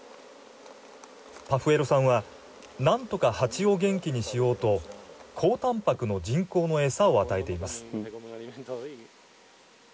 パフエロさんは何とか蜂を元気にしようと高たんぱくの人工の餌を与えています。